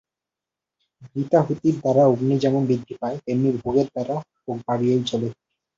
ঘৃতাহুতির দ্বারা অগ্নি যেমন বৃদ্ধি পায়, তেমনি ভোগের দ্বারা ভোগ বাড়িয়াই চলে।